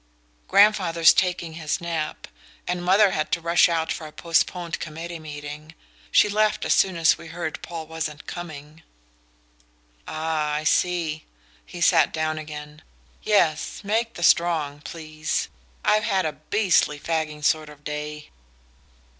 "Grandfather's taking his nap. And mother had to rush out for a postponed committee meeting she left as soon as we heard Paul wasn't coming." "Ah, I see." He sat down again. "Yes, make the strong, please. I've had a beastly fagging sort of day."